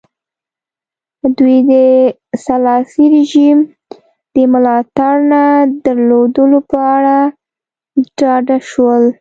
دوی د سلاسي رژیم د ملاتړ نه درلودلو په اړه ډاډه شول.